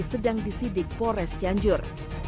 sedang disidik pores cianjur